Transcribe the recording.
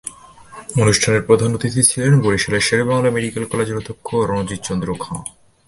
অনুষ্ঠানে প্রধান অতিথি ছিলেন বরিশাল শেরেবাংলা মেডিকেল কলেজের অধ্যক্ষ রণজিত্ চন্দ্র খাঁ।